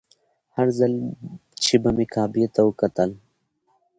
هر ځل چې به مې کعبې ته وکتل.